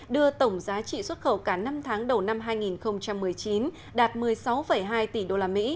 đưa tổng giá trị xuất khẩu cả năm tháng đầu năm hai nghìn một mươi chín đạt một mươi sáu hai tỷ usd